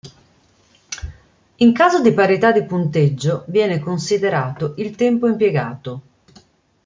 In caso di parità di punteggio, viene considerato il tempo impiegato.